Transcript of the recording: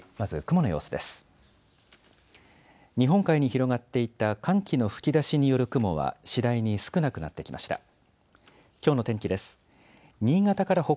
日本海に広がっていた寒気の吹き出しによる雲は次第に少なくなってきました。